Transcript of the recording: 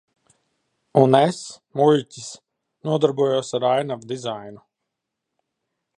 Un es, muļķis, nodarbojos ar ainavu dizainu.